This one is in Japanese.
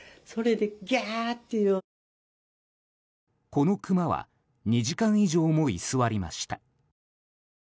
このクマは２時間以上も居座りました。